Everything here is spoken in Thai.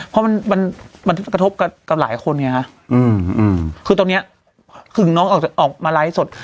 เพราะมันมันกระทบกับหลายคนไงคะคือตรงเนี้ยหึงน้องออกมาไลฟ์สด